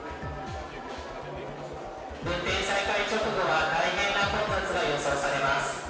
運転再開直後は大変な混雑が予想されます。